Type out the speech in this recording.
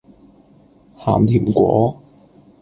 鹹甜粿